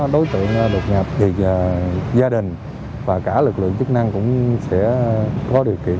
đột nhập về gia đình và cả lực lượng chức năng cũng sẽ có điều kiện